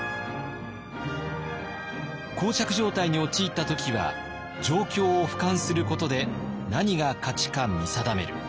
膠着状態に陥った時は状況を俯瞰することで何が「勝ち」か見定める。